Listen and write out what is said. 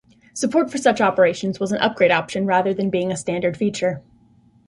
Support for such operations was an upgrade option rather than being a standard feature.